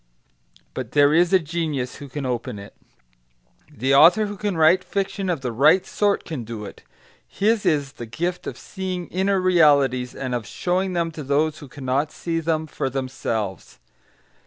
But there is a genius who can open it. The author who can write fiction of the right sort can do it; his is the gift of seeing inner realities, and of showing them to those who cannot see them for themselves.